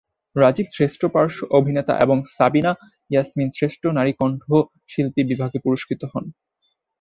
রাজীব শ্রেষ্ঠ পার্শ্ব অভিনেতা এবং সাবিনা ইয়াসমিন শ্রেষ্ঠ নারী কণ্ঠশিল্পী বিভাগে পুরস্কৃত হন।